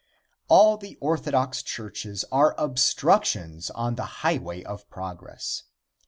All the orthodox churches are obstructions on the highway of progress.